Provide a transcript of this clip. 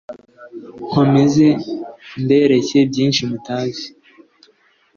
nkomeze mbereke byinshi mutazi